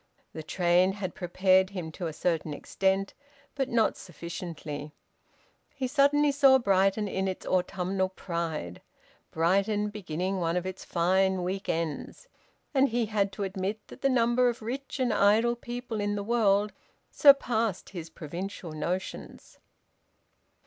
The train had prepared him to a certain extent, but not sufficiently. He suddenly saw Brighton in its autumnal pride, Brighton beginning one of its fine week ends, and he had to admit that the number of rich and idle people in the world surpassed his provincial notions.